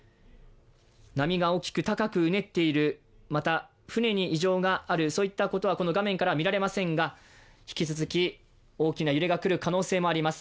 波が大きく高くうねっている、また船に異常がある、そういったことは画面からは見られませんが引き続き大きな揺れが来る可能性があります。